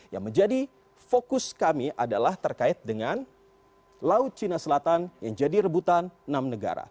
yang menjadi fokus kami adalah terkait dengan laut cina selatan yang jadi rebutan enam negara